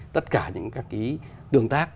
tất cả những các cái tương tác